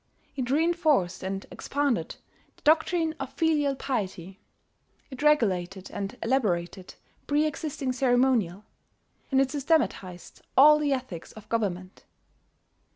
It reinforced and expanded the doctrine of filial piety; it regulated and elaborated preexisting ceremonial; and it systematized all the ethics of government.